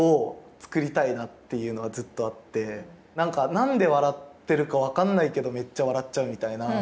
何で笑ってるか分かんないけどめっちゃ笑っちゃうみたいな。